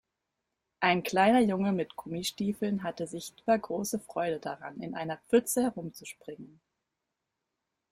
Ein kleiner Junge mit Gummistiefeln hatte sichtbar große Freude daran, in einer Pfütze herumzuspringen.